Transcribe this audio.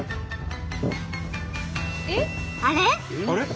あれ？